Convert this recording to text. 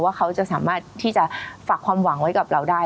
เขาจะสามารถที่จะฝากความหวังไว้กับเราได้